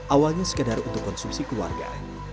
awalnya sekedar untuk konsumsi keluarga